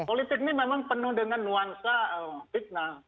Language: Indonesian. politik ini memang penuh dengan nuansa fitnah